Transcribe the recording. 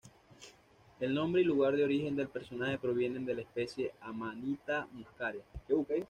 El nombre y lugar de origen del personaje provienen de la especie "Amanita muscaria".